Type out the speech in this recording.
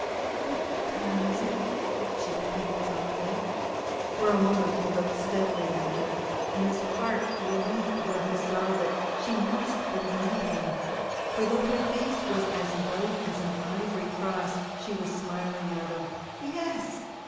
"What time is it?" she repeated softly. For a moment he looked steadily at her, and his heart leaped when he saw that she must believe him, for though her face was as white as an ivory cross she was smiling at him yes!